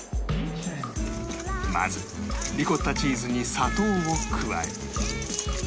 まずリコッタチーズに砂糖を加え